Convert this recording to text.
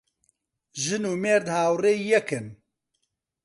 ژن و مێرد هاوڕێی یەکن